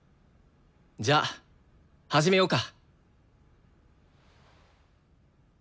じゃあ始めようか。